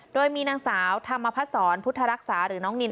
โดยมีนางสาวธรรมพศรพุทธรักษาหรือน้องนิน